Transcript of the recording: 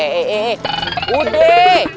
eh eh eh udah